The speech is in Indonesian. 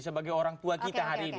sebagai orang tua kita hari ini